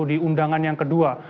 di undangan yang kedua